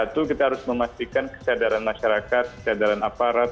satu kita harus memastikan kesadaran masyarakat kesadaran aparat